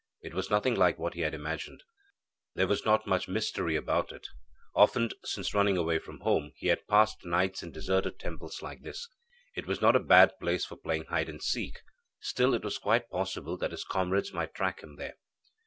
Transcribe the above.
It was nothing like what he had imagined. There was not much mystery about it. Often, since running away from home, he had passed nights in deserted temples like this. It was not a bad place for playing hide and seek; still it was quite possible that his comrades might track him there.